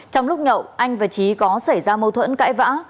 trong lúc nhậu anh và trí có xảy ra mâu thuẫn cãi vã